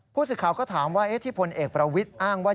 ผู้สื่อข่าวก็ถามว่าที่พลเอกประวิทย์อ้างว่า